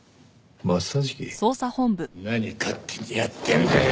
何勝手にやってんだよ！